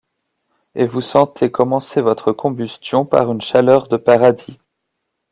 Et vous sentez commencer votre combustion par une chaleur de paradis.